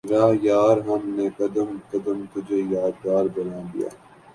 رہ یار ہم نے قدم قدم تجھے یادگار بنا دیا